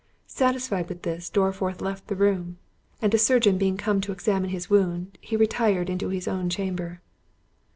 Satisfied with this, Dorriforth left the room; and a surgeon being come to examine his wound, he retired into his own chamber.